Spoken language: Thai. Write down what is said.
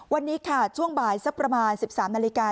วันนี้ค่ะช่วงบ่ายสักประมาณ๑๓นาฬิกา